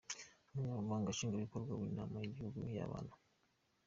Umunyamabanga nshingwabikorwa w’ inama y’ igihugu y’abana Dr.